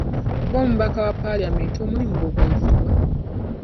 Ng'omubaka wa palamenti, omulimu gwo gwe guli wa?